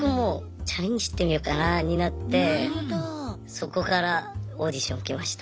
そこからオーディション受けました。